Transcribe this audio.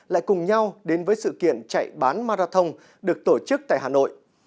lại cùng nhau đến với sự kiện chạy bán marathon được tổ chức tại hà nội